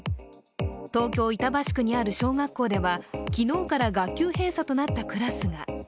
東京・板橋区にある小学校では昨日から学級閉鎖となったクラスが。